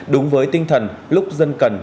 đúng với tinh thần lúc dân cần